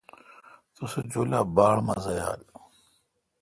تو سہ جولا باڑ مزہ یال۔